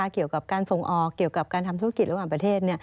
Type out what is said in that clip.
เกี่ยวกับการส่งออกเกี่ยวกับการทำธุรกิจระหว่างประเทศ